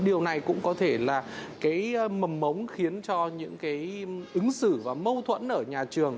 điều này cũng có thể là cái mầm mống khiến cho những cái ứng xử và mâu thuẫn ở nhà trường